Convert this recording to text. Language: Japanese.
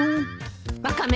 ワカメ！